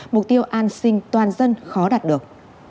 mục tiêu an sinh toàn dân khó đạt được